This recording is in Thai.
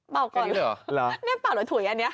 เปล่าก่อนนี่เปล่าหน่วยถุ๋ยอันนี้